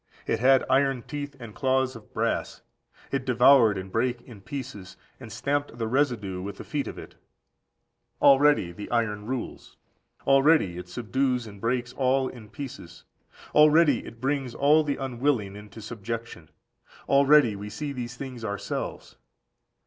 "It had iron teeth and claws of brass: it devoured and brake in pieces, and stamped the residue with the feet of it."14701470 Dan. vii. 6. Already the iron rules; already it subdues and breaks all in pieces; already it brings all the unwilling into subjection; already we see these things ourselves.